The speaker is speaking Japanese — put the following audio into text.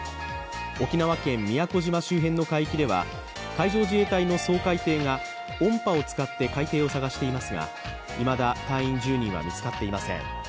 沖縄県宮古島周辺の海域では海上自衛隊の掃海艇が音波を使って海底を捜していますがいまだ隊員１０人は見つかっていません。